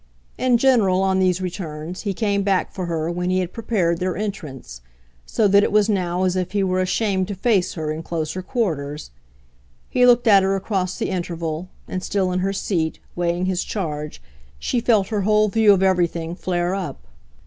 In general, on these returns, he came back for her when he had prepared their entrance; so that it was now as if he were ashamed to face her in closer quarters. He looked at her across the interval, and, still in her seat, weighing his charge, she felt her whole view of everything flare up.